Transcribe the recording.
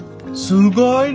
すごいね！